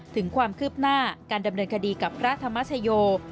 ถึงความคืบหน้าการดำเนินคดีกับพระธรรมชโย